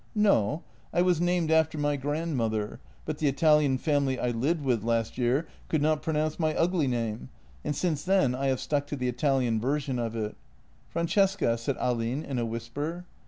" No. I was named after my grandmother, but the Italian family I lived with last year could not pronounce my ugly name, and since then I have stuck to the Italian version of it." " Francesca," said Ahlin, in a whisper.